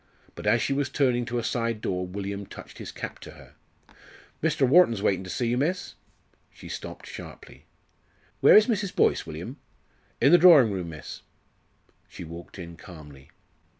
But as she was turning to a side door William touched his cap to her. "Mr. Wharton's waiting to see you, miss." She stopped sharply. "Where is Mrs. Boyce, William?" "In the drawing room, miss." She walked in calmly.